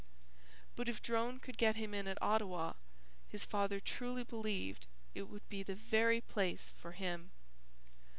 But if Drone could get him in at Ottawa, his father truly believed it would be the very place for him.